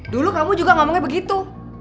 dulu kamu juga ngomongnya begitu